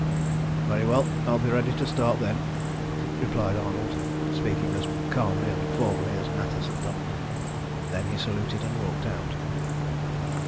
"Very well; I will be ready to start then," replied Arnold, speaking as calmly and formally as Natas had done. Then he saluted and walked out.